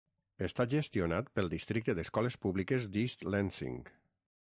Està gestionat pel districte d'escoles públiques d'East Lansing.